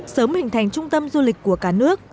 sớm hình thành trung tâm du lịch của cả nước